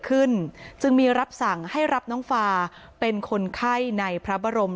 จึงมีรับสั่งให้รับน้องฟาเป็นคนไข้ในพระบรม